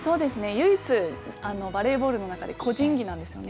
唯一、バレーボールの中で、個人技なんですよね。